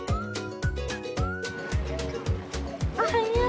おはよう！